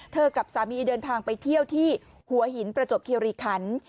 กับสามีเดินทางไปเที่ยวที่หัวหินประจบคิริคัน